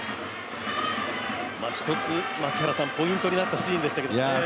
一つ、ポイントになったシーンでしたけどもね。